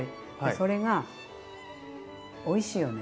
それがおいしいよね。